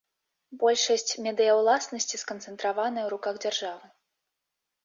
Большасць медыяўласнасці сканцэнтраваная ў руках дзяржавы.